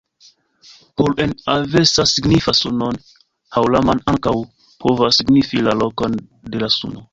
Hur en Avesta signifas sunon. Haŭraman ankaŭ povas signifi la lokon de la suno.